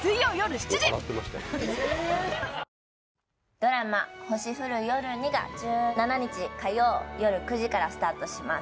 ドラマ『星降る夜に』が１７日火曜よる９時からスタートします。